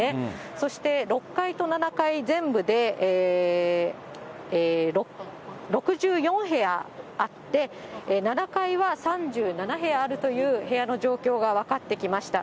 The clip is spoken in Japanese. そして、６階と７階全部で、６４部屋あって、７階は３７部屋あるという部屋の状況が分かってきました。